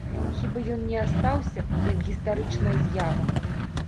Хіба ён не астаўся, як гістарычная з'ява?